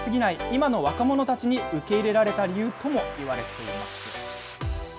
今の若者たちに受け入れられた理由ともいわれています。